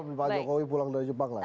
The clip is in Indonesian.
ini malam pak jokowi pulang dari jepang lah